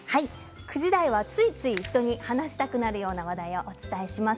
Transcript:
９時台は、ついつい人に話したくなる話題をお伝えします。